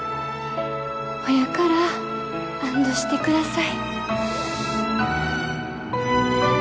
ほやから安どしてください